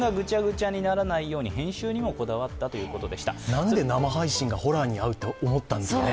なんで生配信がホラーに合うと思ったんでしょうかね。